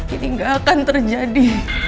ini gak akan terjadi